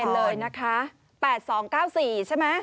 นี่ไงคุณชัดเจนเลยนะคะ๘๒๙๔ใช่ไหม